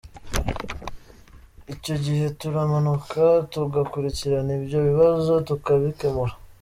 Icyo gihe turamanuka tugakurikirana ibyo bibazo tukabikemura.